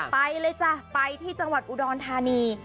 ไปเลยจ้ะไปที่จังหวัดอุดรธานี